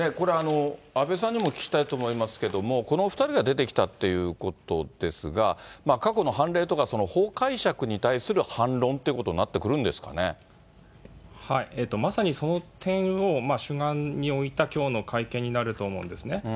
これ、阿部さんにもお聞きしたいと思いますけれども、このお２人が出てきたということですが、過去の判例とか法解釈に対する反論っていまさにその点を主眼に置いたきょうの会見になると思うんですね。